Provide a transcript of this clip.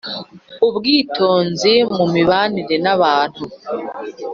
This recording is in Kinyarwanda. Ubwitonzi mu mibanire n’abantu